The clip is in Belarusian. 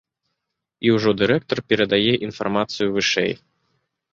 І ўжо дырэктар перадае інфармацыю вышэй.